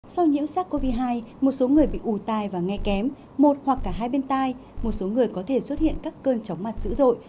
sau nhiễm sắc covid một mươi chín một số người bị ủ tai và nghe kém một hoặc cả hai bên tai một số người có thể xuất hiện các cơn chóng mặt dữ dội